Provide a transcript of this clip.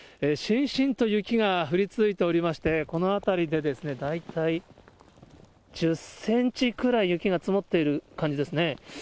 しんしんと雪が降り続いておりまして、この辺りで大体１０センチくらい雪が積もっている感じですね。